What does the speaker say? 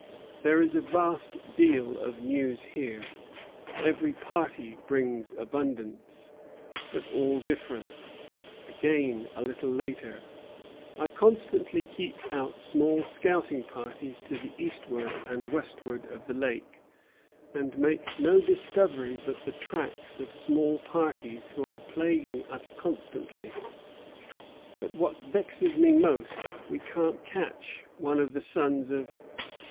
"There is a vast deal of news here; every party brings abundance, but all different." Again, a little later: "I constantly keep out small scouting parties to the eastward and westward of the lake, and make no discovery but the tracks of small parties who are plaguing us constantly; but what vexes me most, we can't catch one of the sons of